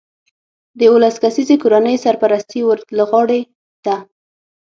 د یولس کسیزې کورنۍ سرپرستي ور له غاړې ده